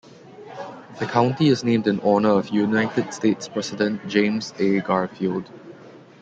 The county is named in honor of United States President James A. Garfield.